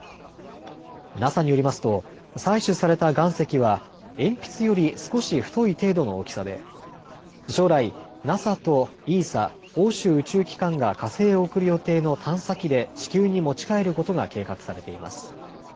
ＮＡＳＡによりますと採取された岩石は鉛筆より少し太い程度の大きさで将来、ＮＡＳＡとＥＳＡ・欧州宇宙機関が火星へ送る予定の探査機で地球に持ち帰ることが計画されています。